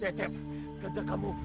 boleh kau jauh lagi bos